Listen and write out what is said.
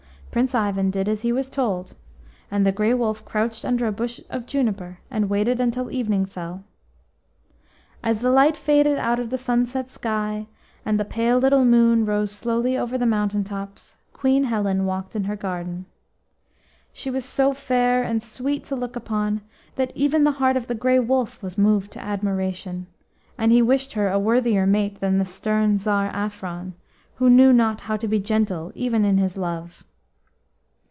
Prince Ivan did as he was told, and the Grey Wolf crouched under a bush of juniper, and waited until evening fell. As the light faded out of the sunset sky and the pale little moon rose slowly over the mountain tops, Queen Helen walked in her garden. She was so fair and sweet to look upon that even the heart of the Grey Wolf was moved to admiration, and he wished her a worthier mate than the stern Tsar Afron, who knew not how to be gentle even in his love.